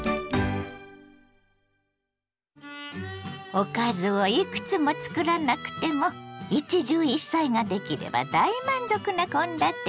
おかずをいくつもつくらなくても一汁一菜ができれば大満足な献立に。